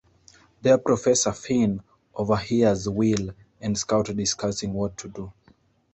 Their professor, Finn, overhears Will and Scout discussing what to do.